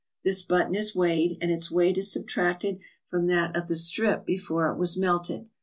This button is weighed and its weight is subtracted from that of the strip before it was melted.